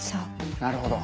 なるほど。